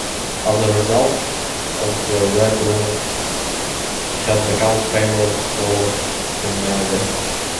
As a result of "The Red Room", he had become famous throughout Scandinavia.